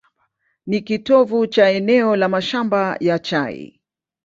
Ni kitovu cha eneo la mashamba ya chai.